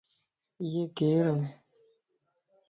ايي ڪيران؟